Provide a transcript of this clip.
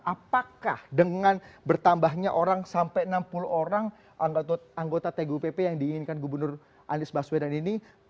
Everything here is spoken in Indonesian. apakah dengan bertambahnya orang sampai enam puluh orang anggota tgupp yang diinginkan gubernur anies baswedan ini